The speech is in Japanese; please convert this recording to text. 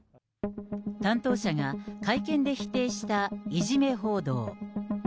担当者が、会見で否定したいじめ報道。